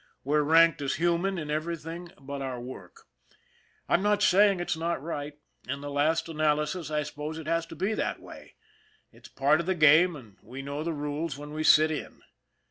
We're ranked as human in everything but our work. I'm not saying it's not right. In the last analysis I suppose it has to be that way. It's part of the game, and we know the rules when we " sit in."